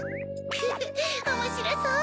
ウフフおもしろそう！